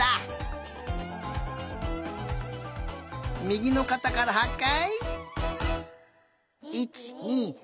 みぎのかたから８かい！